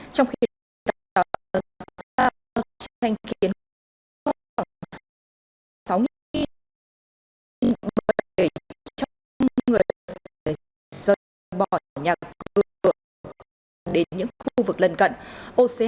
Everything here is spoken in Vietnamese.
trong khi đó các đối tác nhân đạo đã phản nàn về tình trạng nguồn lương thực gần như cạn kiệt